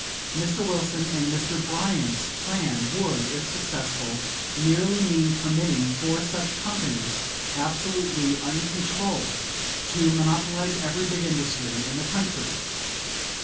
Mr. Wilson and Mr. Bryan's plan would, if successful, merely mean permitting four such companies, absolutely uncontrolled, to monopolize every big industry in the country.